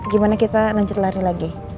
gimana kita lanjut lari lagi